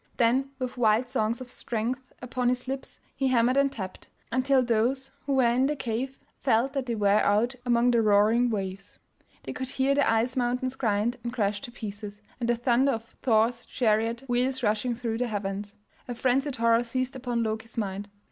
Then with wild songs of strength upon his lips he hammered and tapped, until those who were in the cave felt that they were out among the roaring waves; they could hear the ice mountains grind and crash to pieces, and the thunder of Thor's chariot wheels rushing through the heavens. A frenzied horror seized upon Loki's mind.